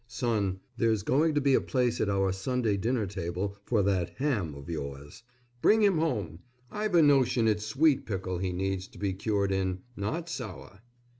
Son, there's going to be a place at our Sunday dinner table for that "ham" of yours. Bring him home. I've a notion it's sweet pickle he needs to be cured in, not sour.